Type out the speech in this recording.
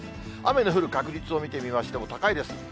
雨の降る確率を見てみましても、高いです。